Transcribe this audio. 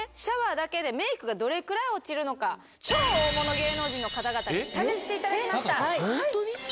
シャワーだけでメイクがどれくらい落ちるのか超大物芸能人の方々に試していただきましたホントに？